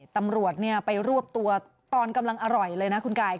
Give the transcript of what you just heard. ตำรวจไปรวบตัวตอนกำลังอร่อยเลยนะคุณกาย